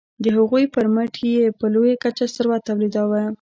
د هغوی پرمټ یې په لویه کچه ثروت تولیداوه.